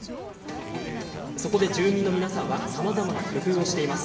そこで、住民の皆さんはさまざまな工夫をしています。